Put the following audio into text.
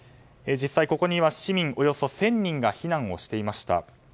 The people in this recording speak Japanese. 実際ここには市民およそ１０００人が避難をしていました。